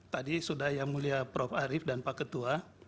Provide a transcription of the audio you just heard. tadi sudah yang mulia prof arief dan pak ketua